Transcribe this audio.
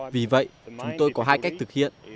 vì vậy chúng tôi có hai cách thực hiện